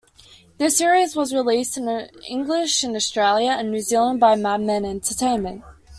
The series was released in English in Australia and New Zealand by Madman Entertainment.